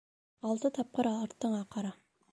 Алты тапҡыр артыңа ҡара.